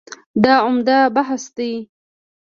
دا عمده بحث دی.